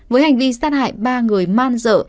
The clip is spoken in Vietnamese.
với hành vi sát hại ba người man dợ